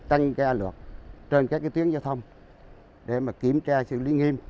tăng ca luật trên các tiến giao thông để kiểm tra xử lý nghiêm